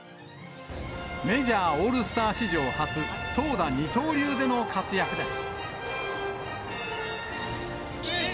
メジャーオールスター史上初、投打二刀流での活躍です。